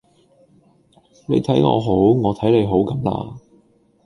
你睇我好，我睇你好咁啦